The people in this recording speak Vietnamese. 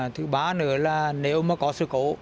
thứ ba nữa là nếu mà có sự cố